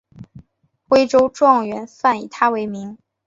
徽州状元饭以他为名。